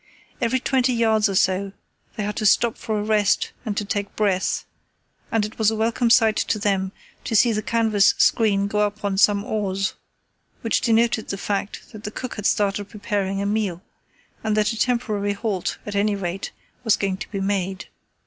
Every twenty yards or so they had to stop for a rest and to take breath, and it was a welcome sight to them to see the canvas screen go up on some oars, which denoted the fact that the cook had started preparing a meal, and that a temporary halt, at any rate, was going to be made.